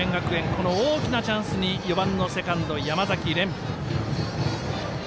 この大きなチャンスに４番のセカンド、山崎漣音。